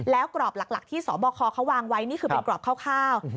แล้วกรอบหลักที่สบคเขาวางไว้นี่คือเป็นกรอบคร่าว